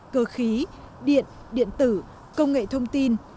cơ khí điện điện tử công nghệ thông tin